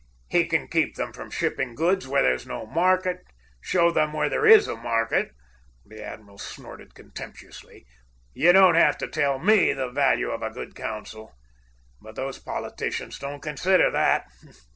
He can keep them from shipping goods where there's no market, show them where there is a market." The admiral snorted contemptuously. "You don't have to tell ME the value of a good consul. But those politicians don't consider that.